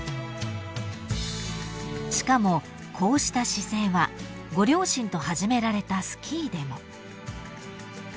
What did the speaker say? ［しかもこうした姿勢はご両親と始められたスキーでも］